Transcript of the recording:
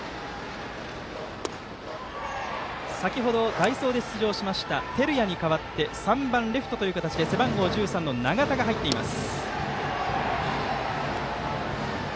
先ほど、代走で出場しました照屋に代わって３番レフトという形で背番号１３、永田が入っています。